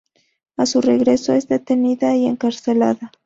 A su regreso es detenida y encarcelada.